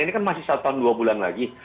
ini kan masih satu tahun dua bulan lagi